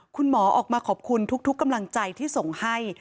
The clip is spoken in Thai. คุณหมอออกมาขอบคุณทุกกำลังใจที่ส่งให้